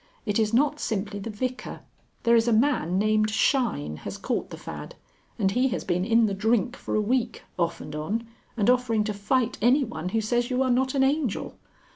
It is not simply the Vicar. There is a man named Shine has caught the fad, and he has been in the drink for a week, off and on, and offering to fight anyone who says you are not an Angel.